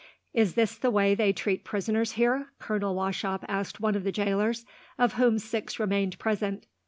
"Is this the way they treat prisoners here?" Colonel Wauchop asked one of the jailers, of whom six remained present.